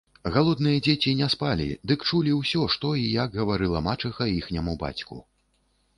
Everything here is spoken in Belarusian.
Галодныя дзеці не спалі, дык чулі ўсё, што і як гаварыла мачыха іхняму бацьку